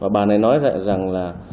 bà này nói rằng